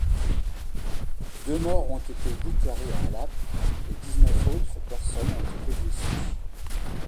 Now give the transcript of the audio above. Deux morts ont été déclarés à Halape et dix-neuf autres personnes ont été blessées.